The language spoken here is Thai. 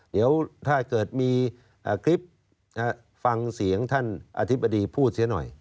เดี๋ยวถ้าเกิดมีคลิปฟังเสียงท่านอธิบดีพูดเสียหน่อย